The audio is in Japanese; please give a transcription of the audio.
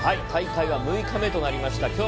大会は６日目となりました。